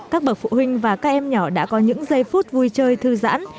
các bậc phụ huynh và các em nhỏ đã có những giây phút vui chơi thư giãn